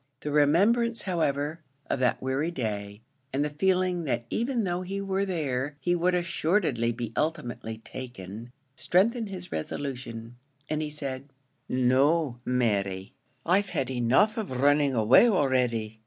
The remembrance, however, of that weary day, and the feeling that even though he were there, he would assuredly be ultimately taken, strengthened his resolution, and he said, "No, Mary, I've had enough of running away already.